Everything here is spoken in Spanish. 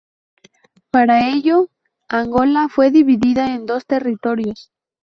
Para ello, Angola fue dividida en dos territorios.